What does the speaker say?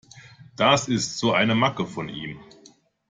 Das ist so eine Macke von ihm.